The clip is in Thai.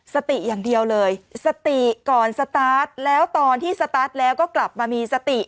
สติอย่างเดียวเลยสติก่อนสตาร์ทแล้วตอนที่สตาร์ทแล้วก็กลับมามีสติ